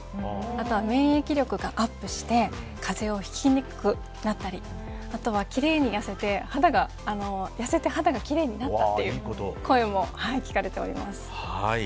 あとは免疫力がアップして風邪をひきにくくなったりあとは、きれいに痩せて痩せて肌がきれいになったという声も聞かれております。